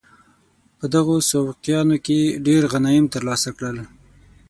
په دغو سوقیانو کې ډېر غنایم ترلاسه کړل.